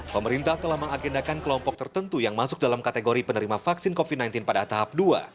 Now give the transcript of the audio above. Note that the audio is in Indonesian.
pemerintah telah mengagendakan kelompok tertentu yang masuk dalam kategori penerima vaksin covid sembilan belas pada tahap dua